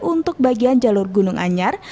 untuk bagian jalur gunung anyar